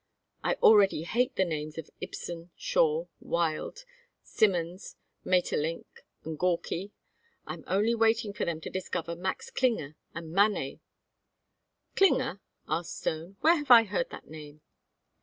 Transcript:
I already hate the names of Ibsen, Shaw, Wilde, Symons, Maeterlinck, and Gorky. I am only waiting for them to discover Max Klinger and Manet " "Klinger?" asked Stone. "Where have I heard that name?"